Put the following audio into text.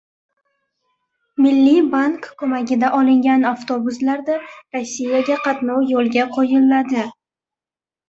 Milliy bank ko‘magida olingan avtobuslarda Rossiyaga qatnov yo‘lga qo‘yiladi